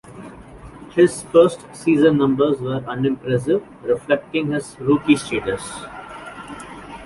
His first season numbers were unimpressive, reflecting his rookie status.